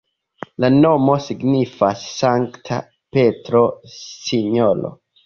La nomo signifas Sankta Petro-Sinjoro.